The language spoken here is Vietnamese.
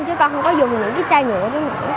chứ con không có dùng những cái chai nhựa nữa nữa